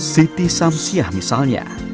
siti samsiah misalnya